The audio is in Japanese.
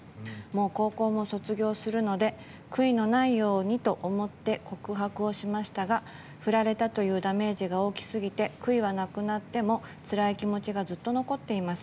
もう高校も卒業するので悔いのないようにと思って告白をしましたが振られたというダメージが大きすぎて悔いは、なくなってもつらい気持ちがずっと残っています。